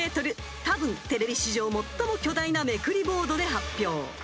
［たぶんテレビ史上最も巨大なめくりボードで発表］